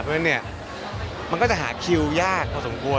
เพราะฉะนั้นเนี่ยมันก็จะหาคิวยากพอสมควร